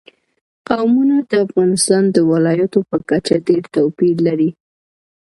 قومونه د افغانستان د ولایاتو په کچه ډېر توپیر لري.